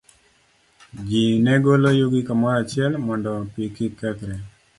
Ji ne golo yugi kamoro achiel mondo pi kik kethre.